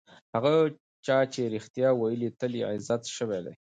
هغه چا چې رښتیا ویلي، تل یې عزت شوی دی.